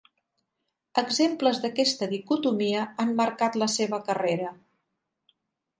Exemples d'aquesta dicotomia han marcat la seva carrera.